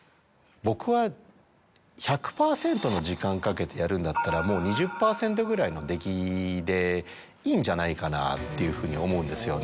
僕は１００％の時間かけてやるんだったらもう２０％ぐらいの出来でいいんじゃないかなっていうふうに思うんですよね。